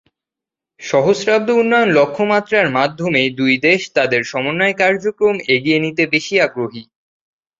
সহস্রাব্দ উন্নয়ন লক্ষ্যমাত্রার মাধ্যমে দুই দেশ তাদের সমন্বয় কার্যক্রম এগিয়ে নিতে বেশি আগ্রহী।